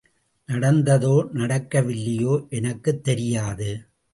நடந்ததோ நடக்கவில்லையோ எனக்குத் தெரியாது.